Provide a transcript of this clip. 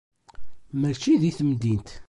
Mačči di temdint.